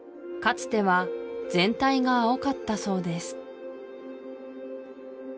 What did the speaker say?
つては全体が青かったそうです